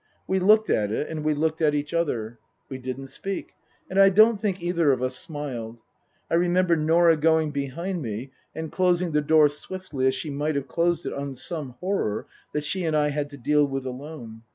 We looked at it, and we looked at each other. We didn't speak, and I don't think either of us smiled. I remember Norah going behind me and closing the door swiftly, as she might have closed it on some horror that she and I had to deal with alone.